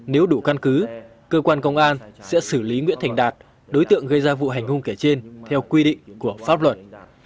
nếu đủ căn cứ cơ quan công an sẽ xử lý nguyễn thành đạt đối tượng gây ra vụ hành hung kể trên theo quy định của pháp luật